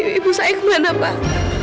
ibu saya kemana pak